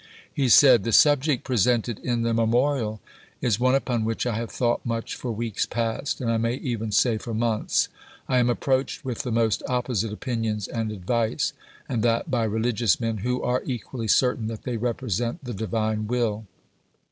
He said : The subject presented in the memorial is one upon which I have thought much for weeks past, and I may even say for months. I am approached with the most opposite opinions and advice, and that by religious men, who are equally certain that they represent the Divine will.